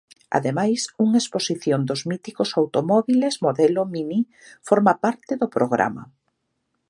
Ademais, unha exposición dos míticos automóbiles modelo Mini forma parte do programa.